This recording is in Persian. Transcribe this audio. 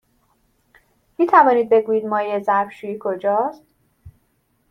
می توانید بگویید مایع ظرف شویی کجاست؟